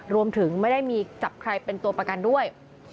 รวมถึงไม่ได้มีจับใครเป็นตัวประกันด้วย